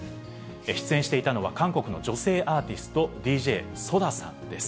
出演していたのは、韓国の女性アーティスト、ＤＪソダさんです。